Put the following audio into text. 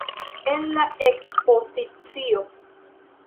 En la ekspozicio.